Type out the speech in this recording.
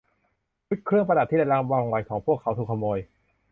ชุดเครื่องประดับที่ได้รับรางวัลของพวกเขาถูกขโมย